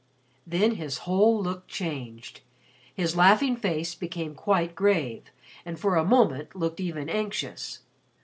'" Then his whole look changed. His laughing face became quite grave and for a moment looked even anxious.